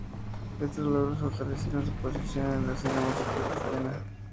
Estos logros fortalecieron su posición en la escena musical cristiana.